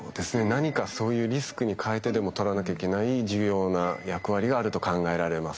何かそういうリスクに代えてでもとらなきゃいけない重要な役割があると考えられます。